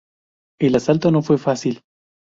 El asalto no fue fácil.